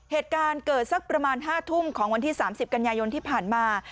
เหตุการณ์เกิดสักประมาณ๕ทุ่มของวันที่๓๐กันยายนที่ผ่านมา